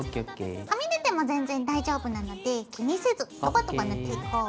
はみ出ても全然大丈夫なので気にせずドバドバ塗っていこう。